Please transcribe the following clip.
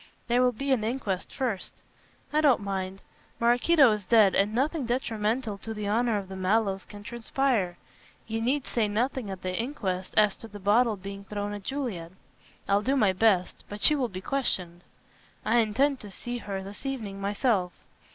"There will be an inquest first." "I don't mind. Maraquito is dead and nothing detrimental to the honor of the Mallows can transpire. You need say nothing at the inquest as to the bottle being thrown at Juliet." "I'll do my best. But she will be questioned." "I intend to see her this evening myself."